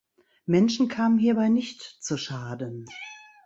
Menschen kamen hierbei nicht zu Schaden.